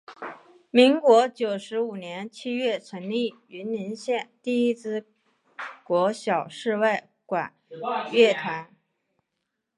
民国九十五年七月成立云林县第一支国小室外管乐团。